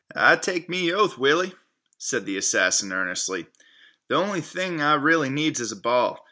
"I take me oath, Willie," said the assassin earnestly, "th' on'y thing I really needs is a ball.